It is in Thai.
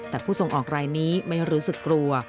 แต่ผู้ส่งออกรายนี้ไม่รู้สึกกลัว